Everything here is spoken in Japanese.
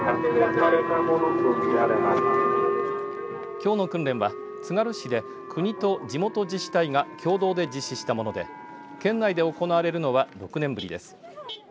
きょうの訓練は、つがる市で国と地元自治体が共同で実施したもので県内で行われるのは６年ぶりです。